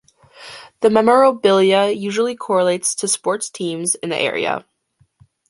The memorabilia usually correlates to sports teams in the area.